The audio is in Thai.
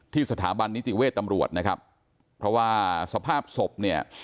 สถาบันนิติเวชตำรวจนะครับเพราะว่าสภาพศพเนี่ย